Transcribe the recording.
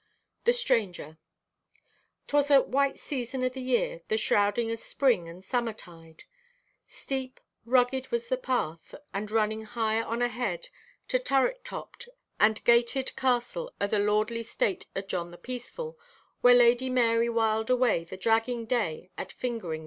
THE STRANGER 'Twas at white season o' the year, the shrouding o' spring and summerstide. Steep, rugged, was the path, and running higher on ahead to turret topped and gated castle o' the lordly state o' John the Peaceful, where Lady Marye whiled away the dragging day at fingering the regal.